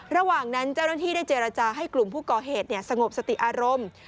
ระหว่างนั้นเจ้าหน้าที่ได้เจรจาให้กลุ่มผู้ก่อเหตุสงบสติอารมณ์